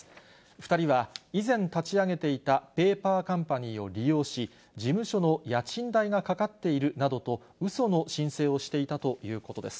２人は以前立ち上げていたペーパーカンパニーを利用し、事務所の家賃代がかかっているなどと、うその申請をしていたということです。